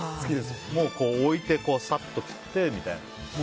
もう、置いてさっと切ってみたいな。